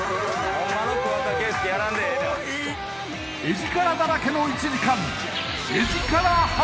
エヂカラだらけの１時間！